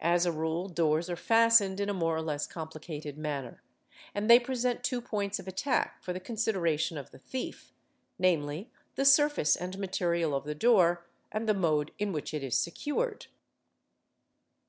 As a rule doors are fastened in a more or less complicated manner and they present two points of attack for the consideration of the thief, namely, the surface and material of the door, and the mode in which it is secured.